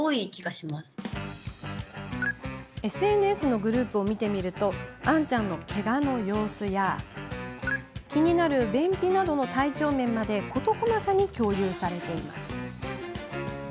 ＳＮＳのグループを見てみると杏ちゃんのけがの様子や気になる便秘などの体調面まで事細かに共有されています。